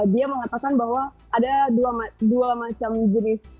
dia mengatakan bahwa ada dua macam jenis